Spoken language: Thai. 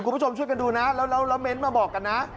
คุณผู้ชมช่วยกันดูนะแล้วเน้นมาบอกกันนะ